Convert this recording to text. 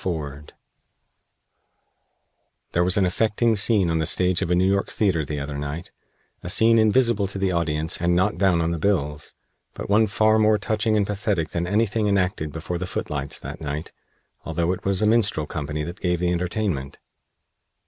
FORD There was an affecting scene on the stage of a New York theater the other night a scene invisible to the audience and not down on the bills, but one far more touching and pathetic than anything enacted before the footlights that night, although it was a minstrel company that gave the entertainment.